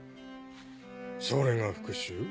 それが復讐？